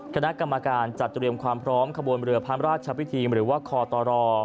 คณะกรรมการจัดเตรียมความพร้อมขบวนเรือพระราชพิธีหรือว่าคอตร